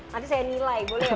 nanti saya nilai boleh gak mbak